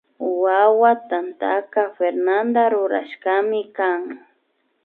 Wawa tantaka Fernada rurashkami kan